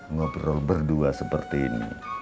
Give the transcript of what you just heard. ngobrol berdua seperti ini